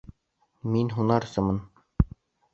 Мин һунарсымын